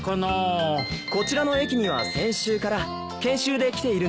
こちらの駅には先週から研修で来ているんです。